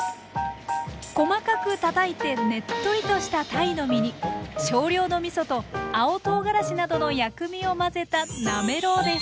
細かくたたいてねっとりとしたタイの身に少量の味噌と青とうがらしなどの薬味を混ぜたなめろうです。